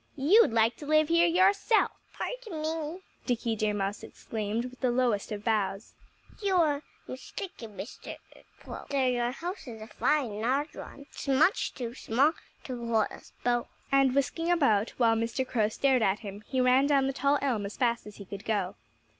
You'd like to live here yourself." "Pardon me!" Dickie Deer Mouse exclaimed with the lowest of bows. "You are mistaken, Mr. Crow. Though your house is a fine, large one, it's much too small to hold us both." And whisking about, while Mr. Crow stared at him, he ran down the tall elm as fast as he could go.